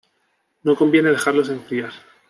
No conviene dejarlos enfriar.